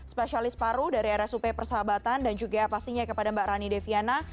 spesialis paru dari rsup persahabatan dan juga pastinya kepada mbak rani deviana